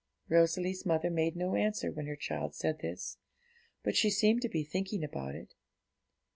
Rosalie's mother made no answer when her child said this, but she seemed to be thinking about it.